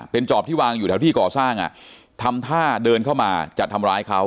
เป็นจอบที่วางอยู่แถวที่ก่อสร้างอ่ะทำท่าเดินเข้ามาจะทำร้ายเขา